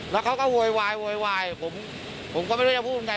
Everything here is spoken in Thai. แล้วเขาก็โวยวายโวยวายโวยวายผมก็ไม่ได้พูดไง